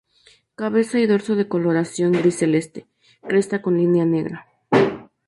Cabeza y dorso de coloración gris celeste, cresta con línea negra.